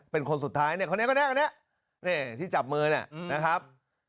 เป็นคนสุดท้ายเนี่ยคนแน่ที่จับมือเนี่ยนะครับ